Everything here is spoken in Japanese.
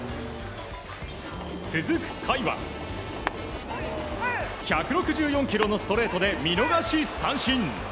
続く甲斐は１６４キロのストレートで見逃し三振。